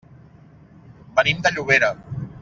Venim de Llobera.